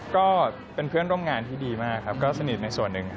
ก็เป็นเพื่อนร่วมงานที่ดีมากครับก็สนิทในส่วนหนึ่งครับ